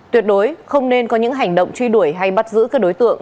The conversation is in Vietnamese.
tuyệt đối không nên có những hành động truy đuổi hay bắt giữ các đối tượng